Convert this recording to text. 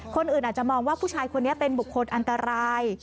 คนอื่นอาจจะมองว่าผู้ชายคนนี้เป็นบุคคลอันตราย